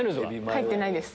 入ってないです。